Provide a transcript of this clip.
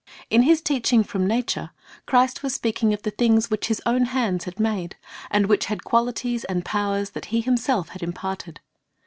In His teaching from nature, Christ was speaking of the things which His own hands had made, and which had quahties and powers that He Himself had imparted.